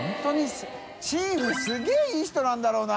繊璽すげぇいい人なんだろうな。